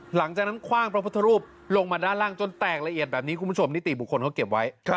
หลังจากนั้นคว่างพระพุทธรูปลงมาด้านล่างจนแตกละเอียดแบบนี้คุณผู้ชมนิติบุคคลเขาเก็บไว้